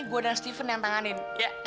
gue dan steven yang tanganin ya